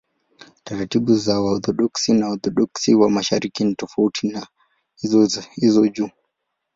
Taratibu za Waorthodoksi na Waorthodoksi wa Mashariki ni tofauti na hizo juu.